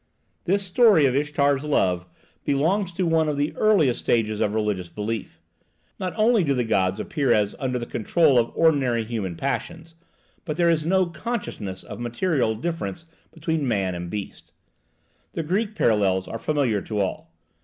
This story of Ishtar's love belongs to one of the earliest stages of religious belief. Not only do the gods appear as under the control of ordinary human passions, but there is no consciousness of material difference between man and beast. The Greek parallels are familiar to all.